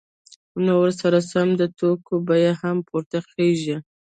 نو ورسره سم د توکو بیه هم پورته خیژي